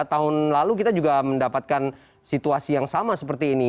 tahun lalu kita juga mendapatkan situasi yang sama seperti ini